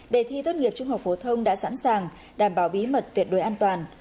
đề thi tốt nghiệp trung học phổ thông đã sẵn sàng đảm bảo bí mật tuyệt đối an toàn